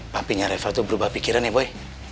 papinya reva tuh berubah pikiran ya boy